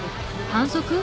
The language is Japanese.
反則？